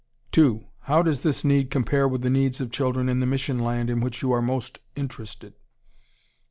2. How does this need compare with the needs of children in the mission land in which you are most interested?